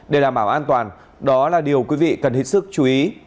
để đảm bảo an toàn đó là điều quý vị cần hết sức chú ý